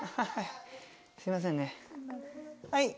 すいませんね。